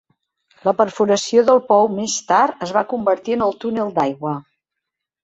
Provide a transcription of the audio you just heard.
La perforació del pou més tard es va convertir en el túnel d'aigua.